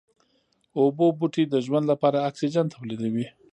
اوبو بوټي د ژوند لپاره اکسيجن توليدوي